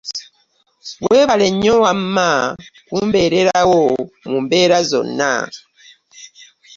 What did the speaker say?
Weebale nnyo wamma kumbeererawo mu mbeera zonna.